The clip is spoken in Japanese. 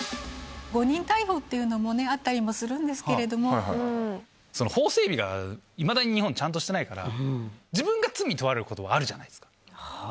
誤認逮捕っていうのもね、その法整備が、いまだに日本、ちゃんとしてないから、自分が罪に問われることはあるじゃないですか。